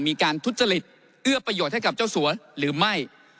มีการทุจริตเอื้อประโยชน์ให้กับเจ้าสัวหรือไม่